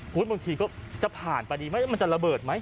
ขึ้นบางทีก็จะผ่านไปดีป่ะมันจะระเบิดไหม